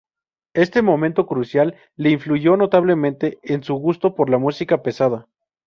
Este momento crucial le influyó notablemente en su gusto por la música pesada.